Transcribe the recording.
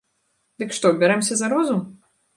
Дык што, бярэмся за розум?